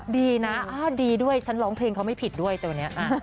ดีนะดีด้วยฉันร้องเพลงเขาไม่ผิดด้วยแต่วันนี้